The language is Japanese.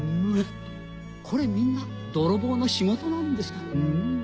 これみんな泥棒の仕事なんです。